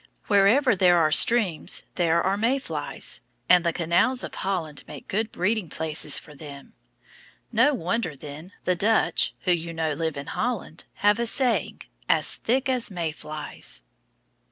Wherever there are streams there are May flies, and the canals of Holland make good breeding places for them; no wonder, then, the Dutch, who you know live in Holland, have a saying, "As thick as May flies."